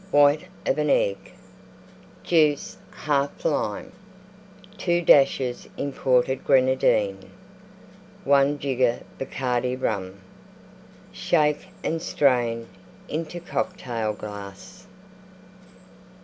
White of an Egg. Juice 1/2 Lime. 2 dashes imported Grenadine. 1 jigger Bacardi Rum. Shake and strain into Cocktail glass.